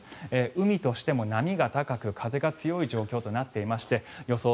海としても波が高く風が強い状況となっていまして予想